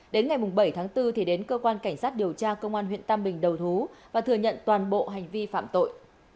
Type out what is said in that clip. đến ngày bảy tháng bốn thì đến cơ quan cảnh sát điều tra công an huyện tam bình đầu thú và thừa nhận toàn bộ hành vi phạm tội